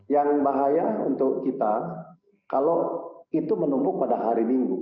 yang bahaya untuk kita kalau itu menumpuk pada hari minggu